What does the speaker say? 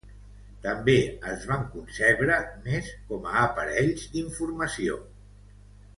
També es van concebre més com a aparells d'informació.